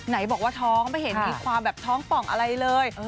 ไหนบอกว่าท้องไม่เห็นมีความแบบท้องป่องอะไรเลย